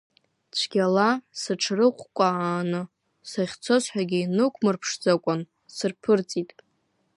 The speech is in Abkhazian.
Цәгьала сыҽрыҟәкәкәааны, сахьцоз ҳәагьы инықәмырԥшӡакәан, сырԥырҵит.